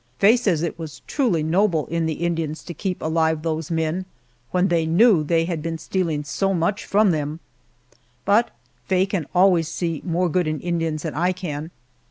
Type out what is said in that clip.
Faye says that it was truly noble in the Indians to keep alive those men when they knew they had been stealing so much from them. But Faye can always see more good in Indians than I can.